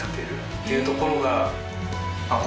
っていうところが。